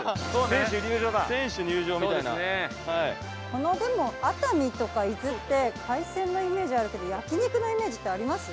このでも熱海とか伊豆って海鮮のイメージあるけど焼肉のイメージってあります？